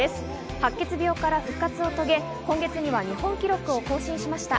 白血病から復活を遂げ、今月には日本記録を更新しました。